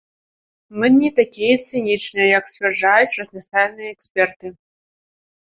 Мы не такія цынічныя, як сцвярджаюць разнастайныя эксперты.